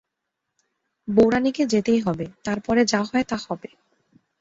বউরানীকে যেতেই হবে, তার পরে যা হয় তা হবে।